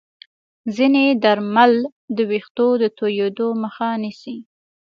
ځینې درمل د ویښتو د توییدو مخه نیسي.